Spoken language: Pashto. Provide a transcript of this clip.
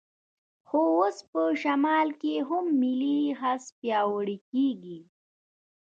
خو اوس په شمال کې هم ملي حس پیاوړی کېږي.